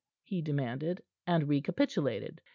he demanded, and recapitulated.